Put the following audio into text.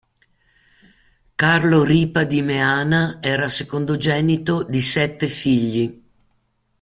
Carlo Ripa di Meana era secondogenito di sette figli.